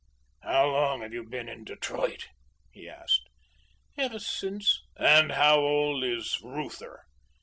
"How long have you been in Detroit?" he asked. "Ever since " "And how old is Reuther?"